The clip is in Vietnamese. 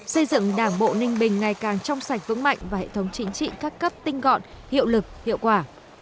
xây dựng đảng bộ ninh bình ngày càng trong sạch vững mạnh và hệ thống chính trị các cấp tinh gọn hiệu lực hiệu quả